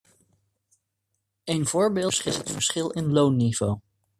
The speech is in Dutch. Een voorbeeld is het verschil in loonniveau.